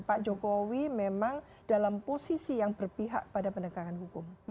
pak jokowi memang dalam posisi yang berpihak pada penegakan hukum